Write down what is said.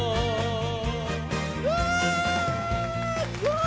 うわ！